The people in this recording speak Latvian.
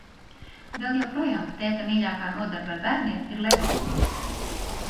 Vēl joprojām tēta mīļākā nodarbe ar bērniem ir lego.